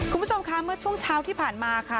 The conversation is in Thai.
คุณผู้ชมค่ะเมื่อช่วงเช้าที่ผ่านมาค่ะ